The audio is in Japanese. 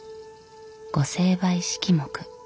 御成敗式目。